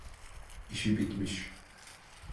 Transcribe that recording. İşi bitmiş.